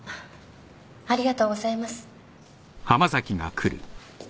ありがとうございます。